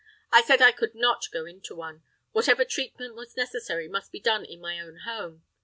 I said I could not go into one; whatever treatment was necessary must be done in my own home.